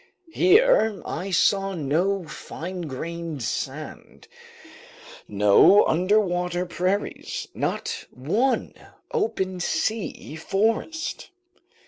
Here I saw no fine grained sand, no underwater prairies, not one open sea forest.